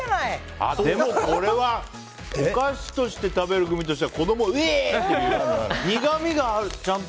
これはお菓子として食べるグミとしては子供、うえー！ってなっちゃう。